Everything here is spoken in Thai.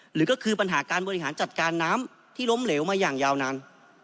หรือก็คือปัญหาการบริหารจัดการน้ำที่ล้มเหลวมาอย่างยาวนาน